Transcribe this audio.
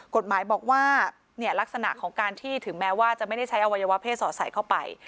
กฎหมายบอกว่าลักษณะของการที่ถึงแม้ว่าจะไม่ได้ใช้อวัยวะเพศสอดใส่เข้าไป